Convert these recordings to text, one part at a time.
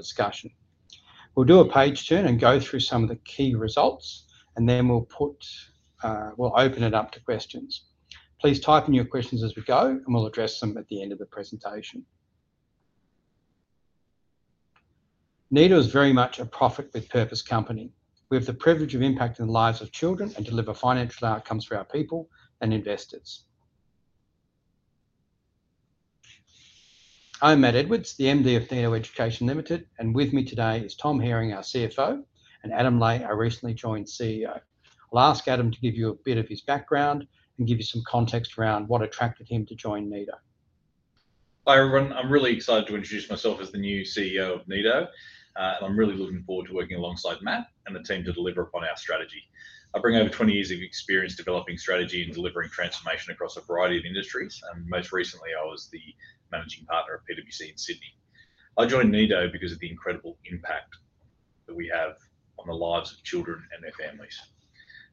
In discussion. We'll do a page turn and go through some of the key results, and then we'll open it up to questions. Please type in your questions as we go, and we'll address them at the end of the presentation. Nido is very much a profit with purpose company. We have the privilege of impacting the lives of children and deliver financial outcomes for our people and investors. I'm Matt Edwards, the MD of Nido Education Limited, and with me today is Tom Herring, our CFO, and Adam Lai, our recently joined CEO. I'll ask Adam to give you a bit of his background and give you some context around what attracted him to join Nido. Hi everyone. I'm really excited to introduce myself as the new CEO of Nido, and I'm really looking forward to working alongside Matt and the team to deliver upon our strategy. I bring over 20 years of experience developing strategy and delivering transformation across a variety of industries, and most recently I was the managing partner of PwC in Sydney. I joined Nido because of the incredible impact that we have on the lives of children and their families.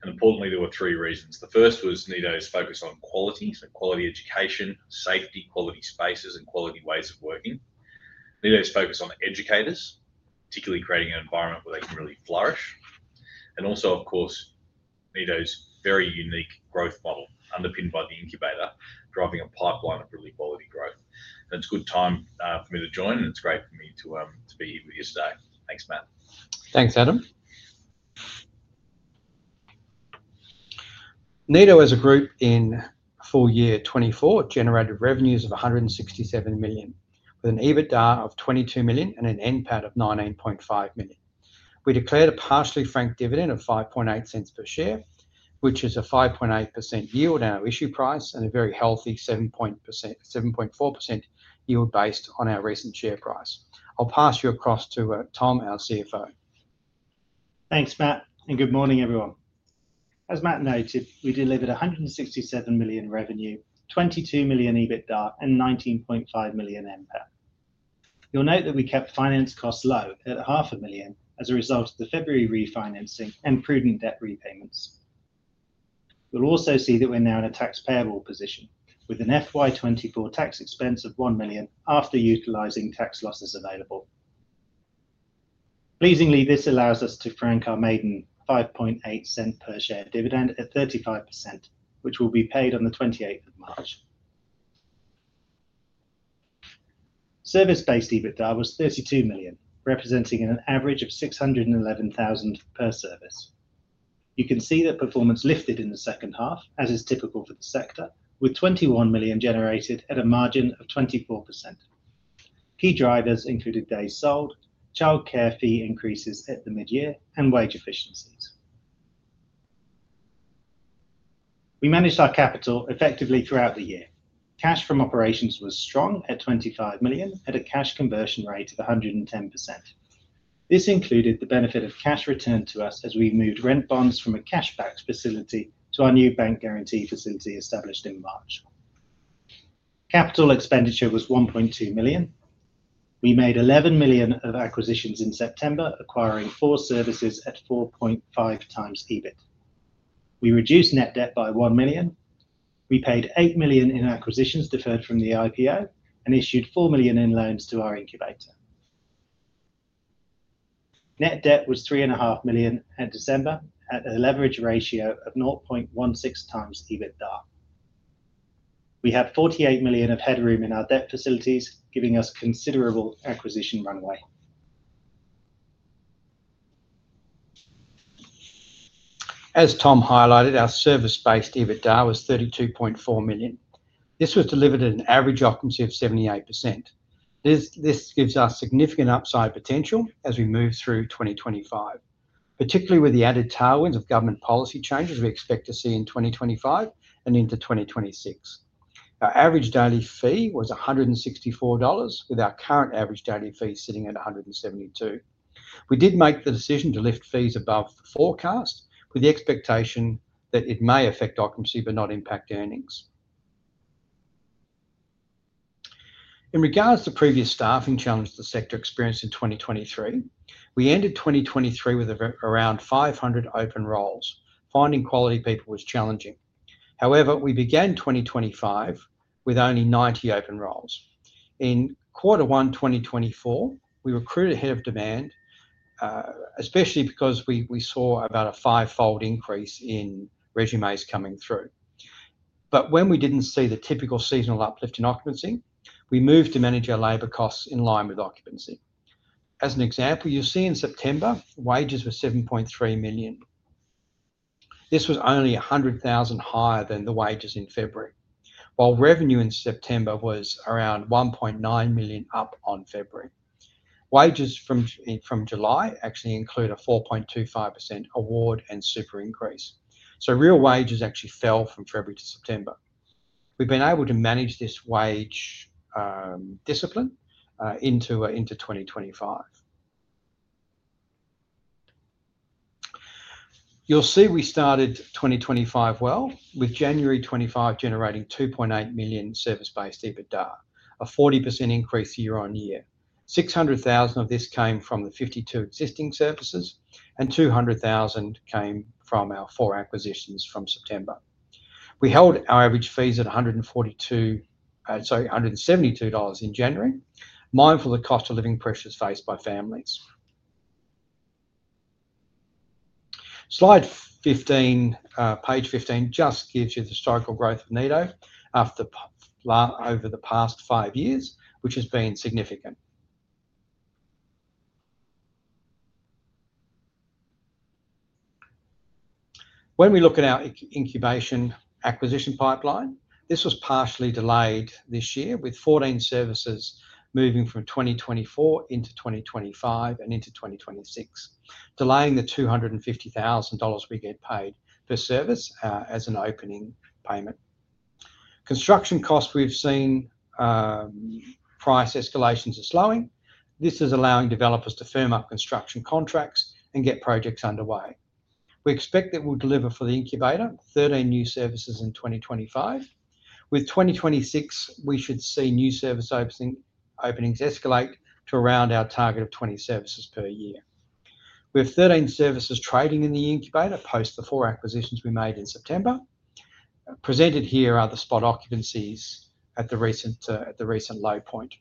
Importantly, there were three reasons. The first was Nido's focus on quality, so quality education, safety, quality spaces, and quality ways of working. Nido's focus on educators, particularly creating an environment where they can really flourish. Also, of course, Nido's very unique growth model, underpinned by the Incubator, driving a pipeline of really quality growth. It is a good time for me to join, and it is great for me to be here with you today. Thanks, Matt. Thanks, Adam. Nido as a group in full year 2024 generated revenues of 167 million, with an EBITDA of 22 million and an NPAT of 19.5 million. We declared a partially franked dividend of 0.058 per share, which is a 5.8% yield on our issue price and a very healthy 7.4% yield based on our recent share price. I'll pass you across to Tom, our CFO. Thanks, Matt, and good morning, everyone. As Matt noted, we delivered 167 million revenue, 22 million EBITDA, and 19.5 million NPAT. You'll note that we kept finance costs low at 500,000 as a result of the February refinancing and prudent debt repayments. You'll also see that we're now in a tax payable position with an FY24 tax expense of 1 million after utilizing tax losses available. Pleasingly, this allows us to frank our maiden 0.058 per share dividend at 35%, which will be paid on the 28th of March. Service-based EBITDA was 32 million, representing an average of 611,000 per service. You can see that performance lifted in the second half, as is typical for the sector, with 21 million generated at a margin of 24%. Key drivers included days sold, childcare fee increases at the mid-year, and wage efficiencies. We managed our capital effectively throughout the year. Cash from operations was strong at 25 million at a cash conversion rate of 110%. This included the benefit of cash returned to us as we moved rent bonds from a cash-backed facility to our new bank guarantee facility established in March. Capital expenditure was 1.2 million. We made 11 million of acquisitions in September, acquiring four services at 4.5 times EBIT. We reduced net debt by 1 million. We paid 8 million in acquisitions deferred from the IPO and issued 4 million in loans to our incubator. Net debt was 3.5 million at December at a leverage ratio of 0.16 times EBITDA. We have 48 million of headroom in our debt facilities, giving us considerable acquisition runway. As Tom highlighted, our service-based EBITDA was 32.4 million. This was delivered at an average occupancy of 78%. This gives us significant upside potential as we move through 2025, particularly with the added tailwinds of government policy changes we expect to see in 2025 and into 2026. Our average daily fee was 164 dollars, with our current average daily fee sitting at 172. We did make the decision to lift fees above the forecast with the expectation that it may affect occupancy but not impact earnings. In regards to previous staffing challenges the sector experienced in 2023, we ended 2023 with around 500 open roles. Finding quality people was challenging. However, we began 2025 with only 90 open roles. In quarter one 2024, we recruited ahead of demand, especially because we saw about a five-fold increase in résumés coming through. When we did not see the typical seasonal uplift in occupancy, we moved to manage our labor costs in line with occupancy. As an example, you see in September, wages were 7.3 million. This was only 100,000 higher than the wages in February, while revenue in September was around 1.9 million up on February. Wages from July actually include a 4.25% award and super increase. So real wages actually fell from February to September. We have been able to manage this wage discipline into 2025. You will see we started 2025 well with January 2025 generating 2.8 million service-based EBITDA, a 40% increase year-on-year. 600,000 of this came from the 52 existing services, and 200,000 came from our four acquisitions from September. We held our average fees at 172 dollars in January, mindful of the cost of living pressures faced by families. Slide 15, page 15, just gives you the historical growth of Nido over the past five years, which has been significant. When we look at our incubation acquisition pipeline, this was partially delayed this year with 14 services moving from 2024 into 2025 and into 2026, delaying the 250,000 dollars we get paid per service as an opening payment. Construction costs, we've seen price escalations are slowing. This is allowing developers to firm up construction contracts and get projects underway. We expect that we'll deliver for the incubator 13 new services in 2025. With 2026, we should see new service openings escalate to around our target of 20 services per year. We have 13 services trading in the incubator post the four acquisitions we made in September. Presented here are the spot occupancies at the recent low point.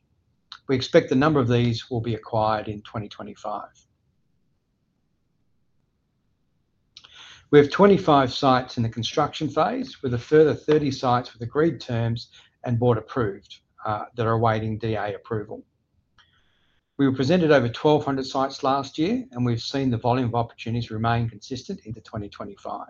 We expect the number of these will be acquired in 2025. We have 25 sites in the construction phase, with a further 30 sites with agreed terms and board approved that are awaiting DA approval. We were presented over 1,200 sites last year, and we've seen the volume of opportunities remain consistent into 2025.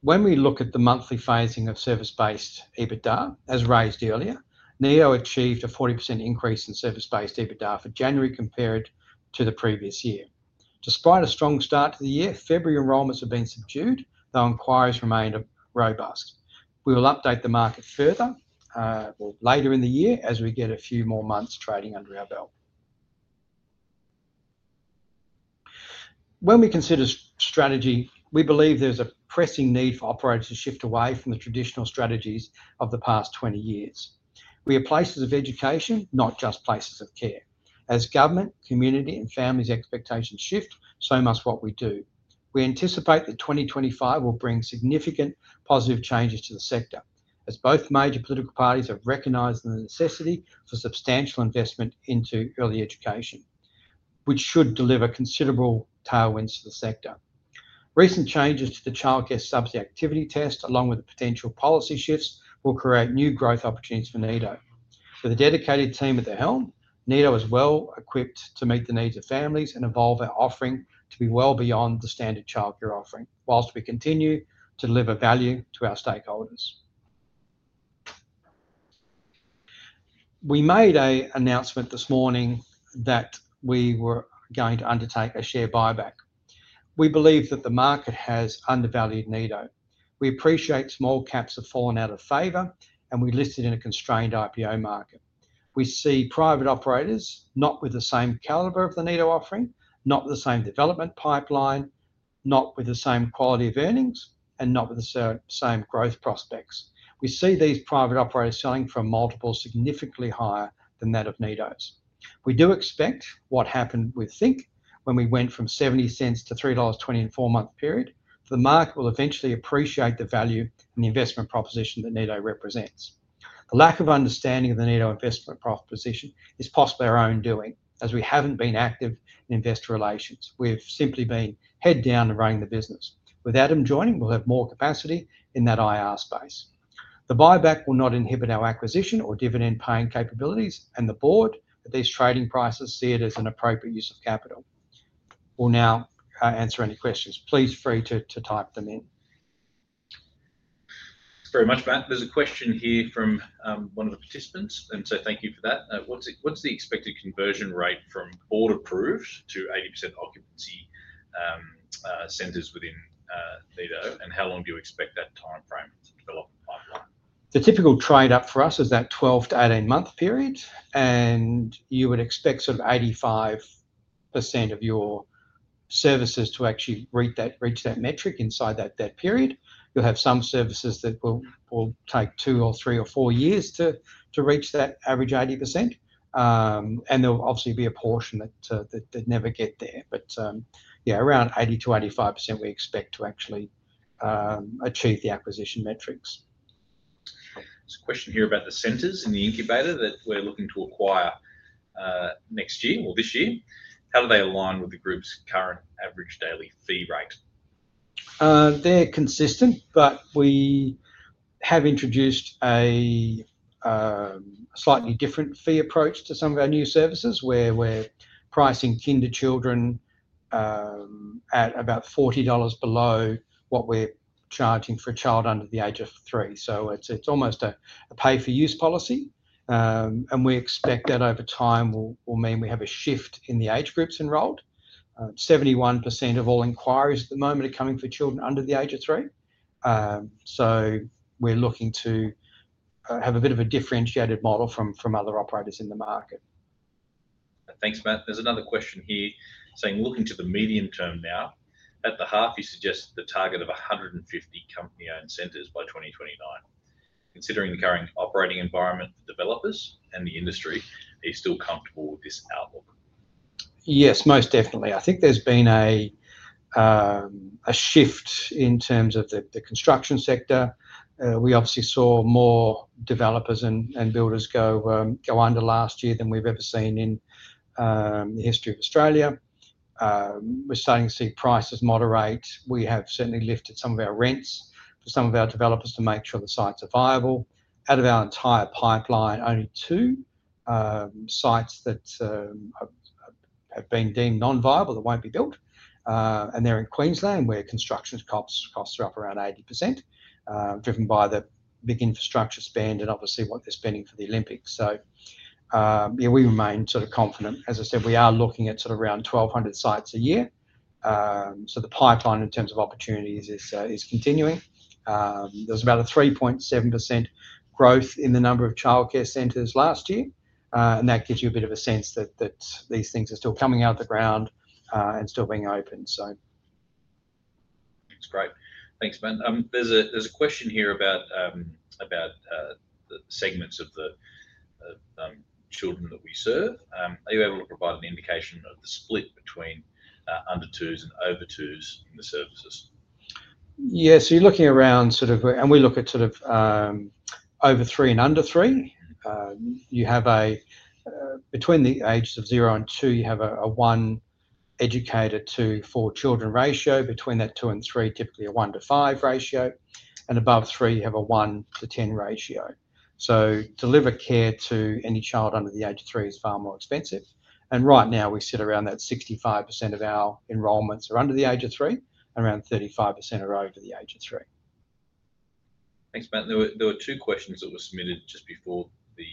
When we look at the monthly phasing of service-based EBITDA, as raised earlier, Nido achieved a 40% increase in service-based EBITDA for January compared to the previous year. Despite a strong start to the year, February enrollments have been subdued, though enquiries remain robust. We will update the market further later in the year as we get a few more months trading under our belt. When we consider strategy, we believe there's a pressing need for operators to shift away from the traditional strategies of the past 20 years. We are places of education, not just places of care. As government, community, and families' expectations shift, so must what we do. We anticipate that 2025 will bring significant positive changes to the sector, as both major political parties have recognized the necessity for substantial investment into early education, which should deliver considerable tailwinds to the sector. Recent changes to the Child Care Subsidy Activity test, along with the potential policy shifts, will create new growth opportunities for Nido. With a dedicated team at the helm, Nido is well equipped to meet the needs of families and evolve our offering to be well beyond the standard childcare offering whilst we continue to deliver value to our stakeholders. We made an announcement this morning that we were going to undertake a share buyback. We believe that the market has undervalued Nido. We appreciate small caps have fallen out of favor, and we listed in a constrained IPO market. We see private operators not with the same caliber of the Nido offering, not with the same development pipeline, not with the same quality of earnings, and not with the same growth prospects. We see these private operators selling for multiples significantly higher than that of Nido's. We do expect what happened with Think when we went from 0.70 to 3.20 dollars in a four-month period. The market will eventually appreciate the value and the investment proposition that Nido represents. The lack of understanding of the Nido investment proposition is possibly our own doing, as we haven't been active in investor relations. We've simply been head down and running the business. With Adam joining, we'll have more capacity in that IR space. The buyback will not inhibit our acquisition or dividend-paying capabilities, and the board at these trading prices see it as an appropriate use of capital. We'll now answer any questions. Please feel free to type them in. Thanks very much, Matt. There is a question here from one of the participants, and thank you for that. What is the expected conversion rate from board approved to 80% occupancy centers within Nido, and how long do you expect that timeframe to develop a pipeline? The typical trade-up for us is that 12-18 month period, and you would expect sort of 85% of your services to actually reach that metric inside that period. You'll have some services that will take two or three or four years to reach that average 80%, and there will obviously be a portion that never get there. Yeah, around 80-85%, we expect to actually achieve the acquisition metrics. There's a question here about the centers in the incubator that we're looking to acquire next year or this year. How do they align with the group's current average daily fee rate? They're consistent, but we have introduced a slightly different fee approach to some of our new services, where we're pricing Kinder children at about 40 dollars below what we're charging for a child under the age of three. It is almost a pay-for-use policy, and we expect that over time will mean we have a shift in the age groups enrolled. 71% of all inquiries at the moment are coming for children under the age of three. We are looking to have a bit of a differentiated model from other operators in the market. Thanks, Matt. There's another question here saying, "Looking to the medium term now, at the half, you suggest the target of 150 company-owned centers by 2029. Considering the current operating environment for developers and the industry, are you still comfortable with this outlook?" Yes, most definitely. I think there's been a shift in terms of the construction sector. We obviously saw more developers and builders go under last year than we've ever seen in the history of Australia. We're starting to see prices moderate. We have certainly lifted some of our rents for some of our developers to make sure the sites are viable. Out of our entire pipeline, only two sites that have been deemed non-viable that won't be built, and they're in Queensland, where construction costs are up around 80%, driven by the big infrastructure spend and obviously what they're spending for the Olympics. Yeah, we remain sort of confident. As I said, we are looking at sort of around 1,200 sites a year. The pipeline in terms of opportunities is continuing. There was about a 3.7% growth in the number of childcare centers last year, and that gives you a bit of a sense that these things are still coming out of the ground and still being open. That's great. Thanks, Matt. There's a question here about the segments of the children that we serve. Are you able to provide an indication of the split between under-two's and over-two's in the services? Yeah, so you're looking around sort of, and we look at sort of over three and under three. You have a, between the ages of zero and two, you have a one educator to four children ratio. Between that two and three, typically a one to five ratio. Above three, you have a one to ten ratio. To deliver care to any child under the age of three is far more expensive. Right now, we sit around that 65% of our enrollments are under the age of three, and around 35% are over the age of three. Thanks, Matt. There were two questions that were submitted just before the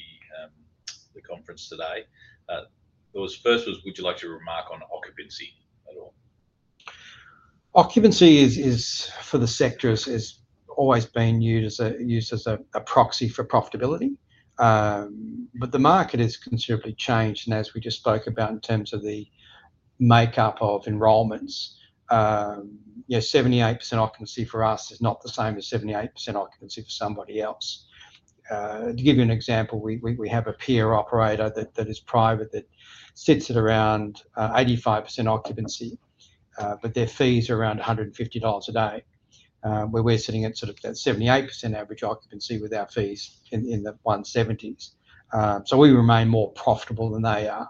conference today. The first was, "Would you like to remark on occupancy at all? Occupancy for the sector has always been used as a proxy for profitability. The market has considerably changed, and as we just spoke about in terms of the makeup of enrollments, yeah, 78% occupancy for us is not the same as 78% occupancy for somebody else. To give you an example, we have a peer operator that is private that sits at around 85% occupancy, but their fees are around 150 dollars a day, where we're sitting at sort of that 78% average occupancy with our fees in the AUD 170s. We remain more profitable than they are.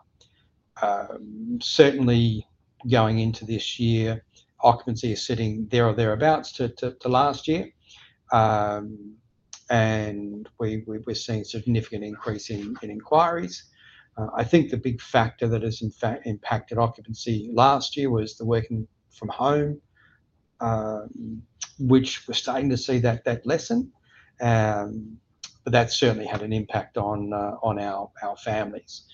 Certainly, going into this year, occupancy is sitting there or thereabouts to last year, and we're seeing significant increase in inquiries. I think the big factor that has impacted occupancy last year was the working from home, which we're starting to see that lessen, but that's certainly had an impact on our families.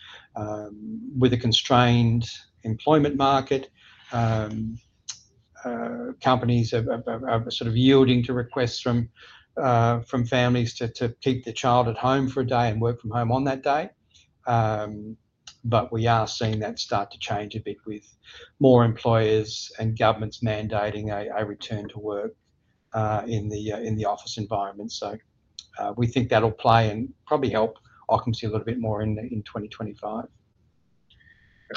With a constrained employment market, companies are sort of yielding to requests from families to keep the child at home for a day and work from home on that day. We are seeing that start to change a bit with more employers and governments mandating a return to work in the office environment. We think that'll play and probably help occupancy a little bit more in 2025.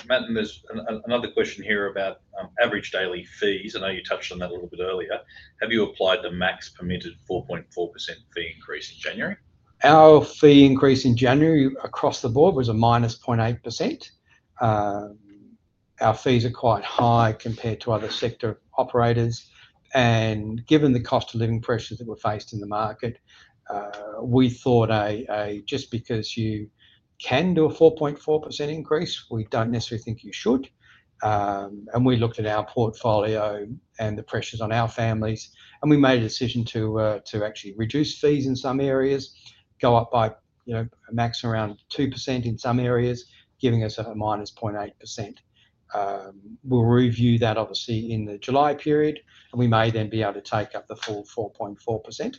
Matt, there's another question here about average daily fees. I know you touched on that a little bit earlier. Have you applied the max permitted 4.4% fee increase in January? Our fee increase in January across the board was a minus 0.8%. Our fees are quite high compared to other sector operators. Given the cost of living pressures that we are faced in the market, we thought just because you can do a 4.4% increase, we do not necessarily think you should. We looked at our portfolio and the pressures on our families, and we made a decision to actually reduce fees in some areas, go up by a max around 2% in some areas, giving us a minus 0.8%. We will review that obviously in the July period, and we may then be able to take up the full 4.4%.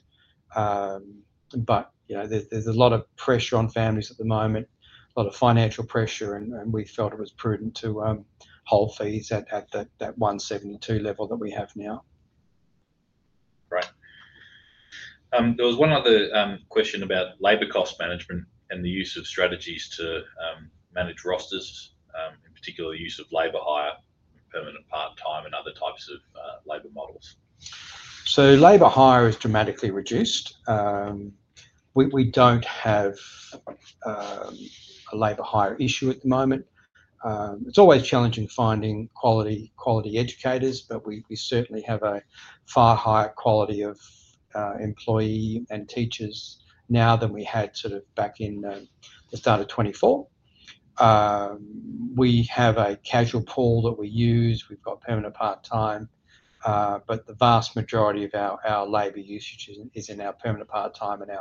There is a lot of pressure on families at the moment, a lot of financial pressure, and we felt it was prudent to hold fees at that 172 level that we have now. Great. There was one other question about labor cost management and the use of strategies to manage rosters, in particular the use of labor hire, permanent part-time, and other types of labor models. Labor hire is dramatically reduced. We do not have a labor hire issue at the moment. It is always challenging finding quality educators, but we certainly have a far higher quality of employee and teachers now than we had sort of back in the start of 2024. We have a casual pool that we use. We have got permanent part-time, but the vast majority of our labor usage is in our permanent part-time and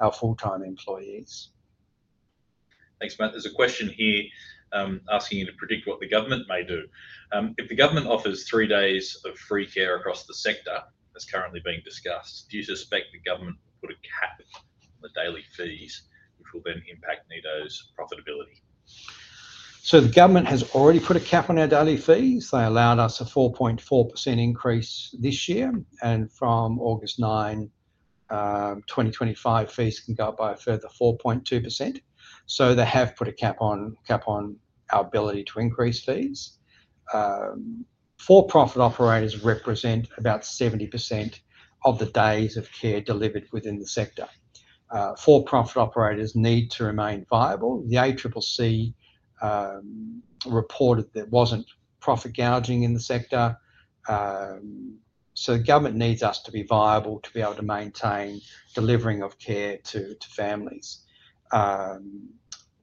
our full-time employees. Thanks, Matt. There's a question here asking you to predict what the government may do. If the government offers three days of free care across the sector, as currently being discussed, do you suspect the government will put a cap on the daily fees, which will then impact Nido's profitability? The government has already put a cap on our daily fees. They allowed us a 4.4% increase this year, and from August 9, 2025, fees can go up by a further 4.2%. They have put a cap on our ability to increase fees. For-profit operators represent about 70% of the days of care delivered within the sector. For-profit operators need to remain viable. The ACCC reported there was not profit gouging in the sector. The government needs us to be viable to be able to maintain delivering of care to families.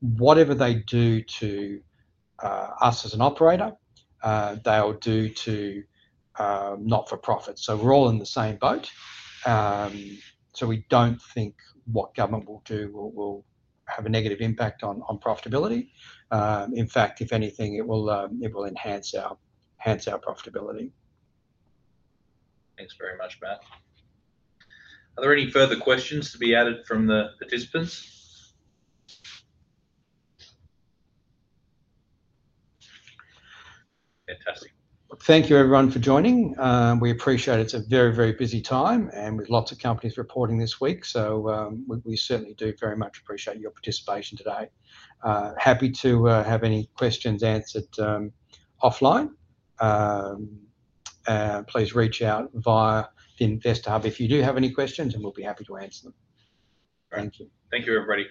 Whatever they do to us as an operator, they will do to not-for-profit. We are all in the same boat. We do not think what government will do will have a negative impact on profitability. In fact, if anything, it will enhance our profitability. Thanks very much, Matt. Are there any further questions to be added from the participants? Fantastic. Thank you, everyone, for joining. We appreciate it. It's a very, very busy time, and with lots of companies reporting this week, so we certainly do very much appreciate your participation today. Happy to have any questions answered offline. Please reach out via the Investor Hub if you do have any questions, and we'll be happy to answer them. Thank you. Thank you, everybody.